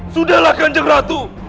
sudahlah kanjeng ratu